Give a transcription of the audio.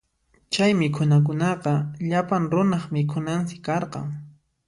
Chay mikhunakunaqa llapan runaq mikhunansi karqan.